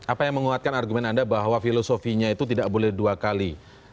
apa yang menguatkan argumen anda bahwa filosofinya itu tidak boleh dua kali